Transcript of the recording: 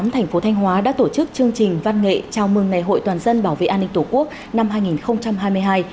thành phố thanh hóa đã tổ chức chương trình văn nghệ chào mừng ngày hội toàn dân bảo vệ an ninh tổ quốc năm hai nghìn hai mươi hai